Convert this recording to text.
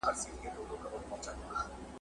تر څو به له پردیو ګیله مني لرو ژبي `